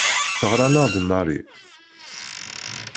Teɣra-aneɣ-d Mary.